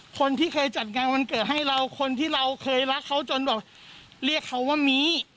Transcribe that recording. คนที่เคยจัดงานวันเกิดให้เราคนที่เราเคยรักเขาจนแบบเรียกเขาว่ามี